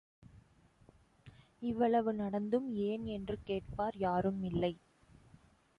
இவ்வளவு நடந்தும் ஏன் என்று கேட்பார் யாரும் இல்லை.